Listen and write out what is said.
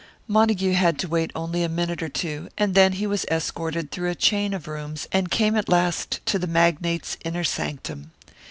Montague had to wait only a minute or two, and then he was escorted through a chain of rooms, and came at last to the magnate's inner sanctum.